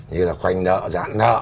như là khoanh nợ giãn nợ